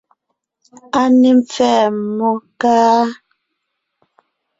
A ne mpfɛ́ɛ mmó, káá?